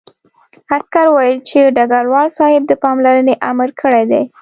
عسکر وویل چې ډګروال صاحب د پاملرنې امر کړی دی